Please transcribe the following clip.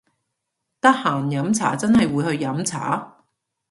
得閒飲茶真係會去飲茶！？